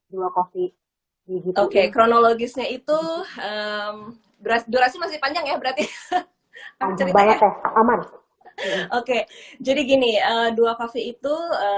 dua coffee oke kronologisnya itu durasi masih panjang ya berarti oke jadi gini dua coffee itu